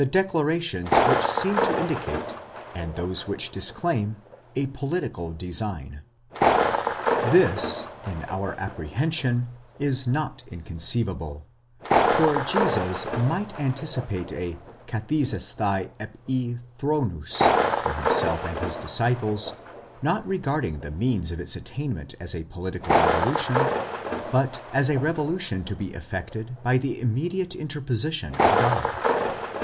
declarations which seem to indicate, and those which disclaim, a political design. This, in our apprehension, is not inconceivable ; for Jesus might anticipate a καθίζεσθαι ἐπὶ θρόνους for himself and his disciples, not regarding the means of its attainment as a political revolution, but as a revolution to be effected by the immediate interposition of God.